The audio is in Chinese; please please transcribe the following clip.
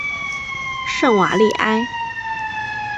圣瓦利埃。